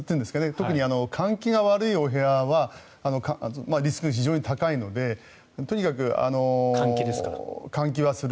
特に換気が悪いお部屋はリスクが非常に高いので換気ですか？